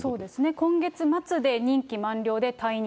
今月末で任期満了で退任。